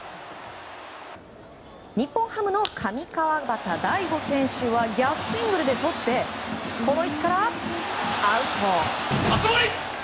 日本ハムの上川畑大悟選手は逆シングルでとってこの位置からアウト！